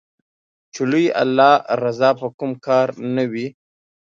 چې د لوی الله رضا په کوم کار نــــــــه وي